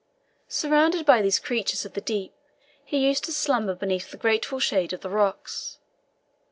Surrounded by these creatures of the deep, he used to slumber beneath the grateful shade of the rocks.